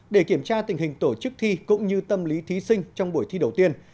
để kiểm tra tình hình tổ chức thi cũng như tâm lý thí sinh trong buổi thi đầu tiên